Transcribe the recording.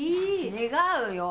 違うよ。